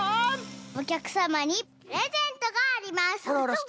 おきゃくさまにプレゼントがあります！